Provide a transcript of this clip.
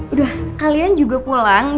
udah kalian juga pulang